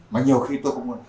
mà nhiều khi tôi không muốn